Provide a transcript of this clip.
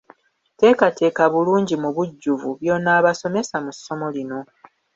Teekateeka bulungi mu bujjuvu by'onaabasomesa mu ssomo lino.